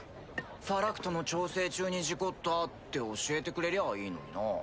ファラクトの調整中に事故ったって教えてくれりゃあいいのにな。